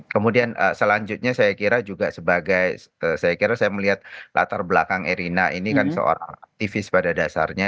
kemudian selanjutnya saya kira juga sebagai saya kira saya melihat latar belakang erina ini kan seorang aktivis pada dasarnya